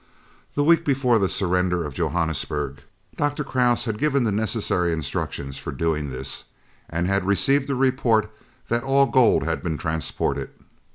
The week before the surrender of Johannesburg, Dr. Krause had given the necessary instructions for doing this, and had received a report that all gold had been transported.